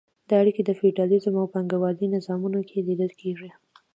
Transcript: دا اړیکې په فیوډالیزم او پانګوالۍ نظامونو کې لیدل کیږي.